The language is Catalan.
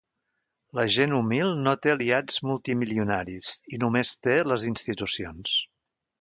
La gent humil no té aliats multimilionaris i només té les institucions.